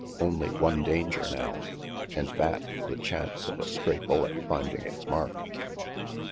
Only one danger now! And that the chance of a stray bullet finding its mark.